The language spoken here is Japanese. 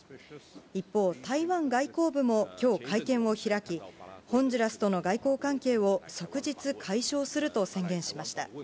一方、台湾外交部もきょう、会見を開き、ホンジュラスとの外交関係を即日解消すると宣言しました。